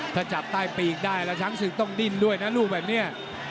ถ้าจับใต้ปีกได้แล้วช้างศึกต้องดิ้นด้วยนะลูกแบบนี้